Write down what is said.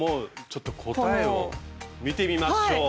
ちょっと答えを見てみましょう。